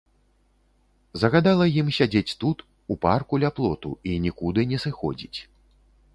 Загадала ім сядзець тут, у парку ля плоту, і нікуды не сыходзіць.